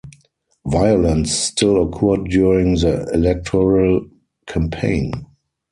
Violence still occurred during the electoral campaign.